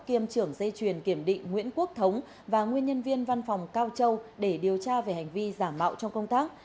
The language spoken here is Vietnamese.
kiêm trưởng dây truyền kiểm định nguyễn quốc thống và nguyên nhân viên văn phòng cao châu để điều tra về hành vi giả mạo trong công tác